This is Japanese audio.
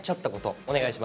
お願いします。